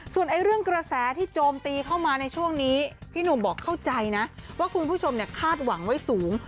ส่วนเรื่องกระแสที่โจมตีเข้ามาในช่วงนี้พี่หนุ่มบอกเข้าใจนะว่าคุณผู้ชมคาดหวังไว้สูง